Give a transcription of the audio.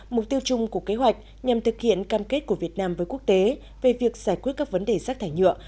mục tiêu chung của kế hoạch nhằm thực hiện cam kết của việt nam với quốc tế về việc giải quyết các vấn đề rác thải nhựa